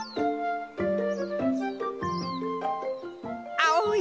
あおい